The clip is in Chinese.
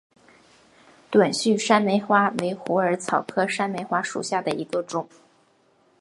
短序山梅花为虎耳草科山梅花属下的一个种。